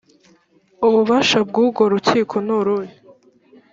ububasha bw urwo rukiko nubuhe